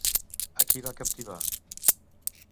A qui va captivar?